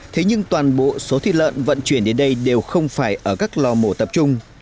thế nhưng toàn bộ số thịt lợn vận chuyển đến đây đều không phải ở các lò mổ tập trung